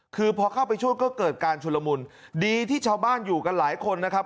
คือพอเข้าไปช่วยก็เกิดการชุลมุนดีที่ชาวบ้านอยู่กันหลายคนนะครับ